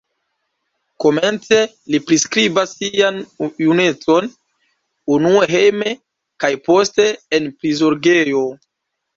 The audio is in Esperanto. Komence li priskribas sian junecon, unue hejme kaj poste en prizorgejo.